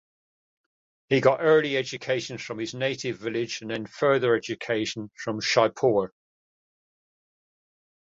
He got early education from his native village and then further education from Shikarpur.